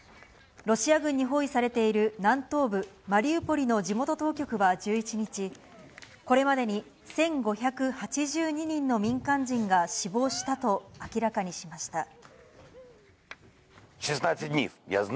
ロシア軍に包囲されている南東部マリウポリの地元当局は１１日、これまでに１５８２人の民間人が死亡したと明らかにしました。